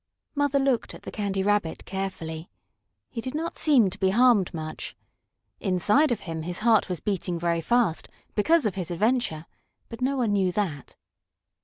Mother looked at the Candy Rabbit carefully. He did not seem to be harmed much. Inside of him his heart was beating very fast, because of his adventure, but no one knew that.